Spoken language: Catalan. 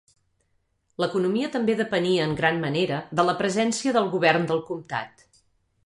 L'economia també depenia en gran manera de la presència del govern del comtat.